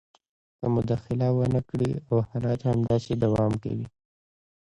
که مداخله ونه کړي او حالات همداسې دوام کوي